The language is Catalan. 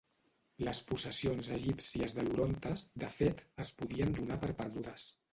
Les possessions egípcies de l'Orontes de fet es podien donar per perdudes.